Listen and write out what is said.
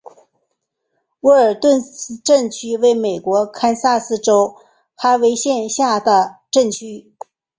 沃尔顿镇区为美国堪萨斯州哈维县辖下的镇区。